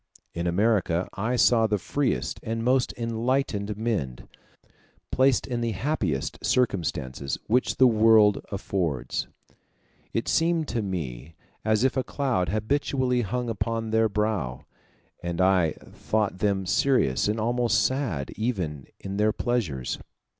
In America I saw the freest and most enlightened men, placed in the happiest circumstances which the world affords: it seemed to me as if a cloud habitually hung upon their brow, and I thought them serious and almost sad even in their pleasures.